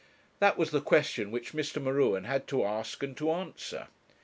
That was the question which Mr. M'Ruen had to ask and to answer.